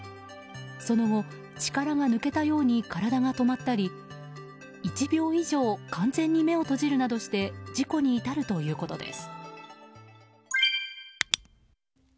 その後、力が抜けたように体が止まったり１秒以上完全に目を閉じるなどして事故に至るということです。